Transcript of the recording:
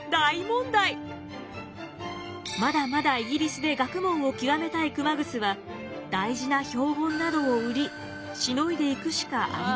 まだまだイギリスで学問を究めたい熊楠は大事な標本などを売りしのいでいくしかありませんでした。